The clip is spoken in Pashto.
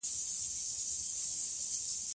په سیالانو ګاونډیانو کي پاچا وو